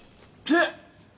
えっ？